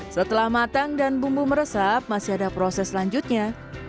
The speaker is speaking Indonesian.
setelah matang dan bumbu meresap masih ada proses selanjutnya